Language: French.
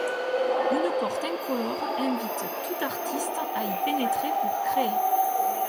Une porte incolore invite tout artiste à y pénétrer pour créer.